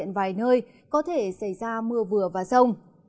vài nơi có thể xảy ra mưa vừa và rông